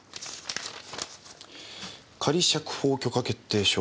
「仮釈放許可決定書」。